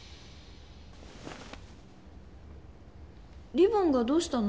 リボンがどうしたの？